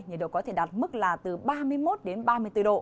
nhiệt độ có thể đạt mức là từ ba mươi một đến ba mươi bốn độ